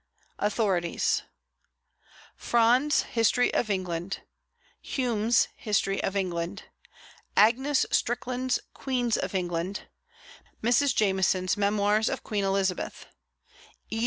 AUTHORITIES. Fronde's History of England; Hume's History of England; Agnes Strickland's Queens of England; Mrs. Jameson's Memoirs of Queen Elizabeth; E.